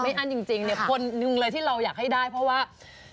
อั้นจริงเนี่ยคนหนึ่งเลยที่เราอยากให้ได้เพราะว่า